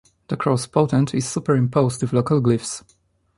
The cross potent is superimposed with local glyphs.